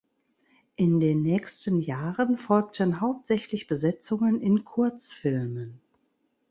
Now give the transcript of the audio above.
In den nächsten Jahren folgten hauptsächlich Besetzungen in Kurzfilmen.